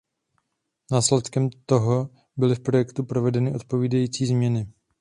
Následkem toho byly v projektu provedeny odpovídající změny.